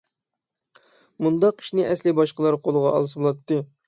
مۇنداق ئىشنى ئەسلى باشقىلار قولىغا ئالسا بولاتتى.